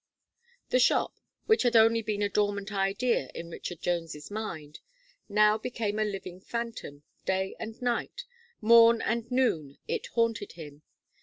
The shop, which had only been a dormant idea in Richard Jones's mind, now became a living phantom; day and night, mom and noon it haunted him.